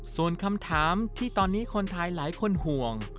ส่วนคำถามที่ตอนนี้คนไทยหลายคนห่วง